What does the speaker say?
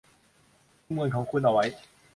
กุมเงินของคุณเอาไว้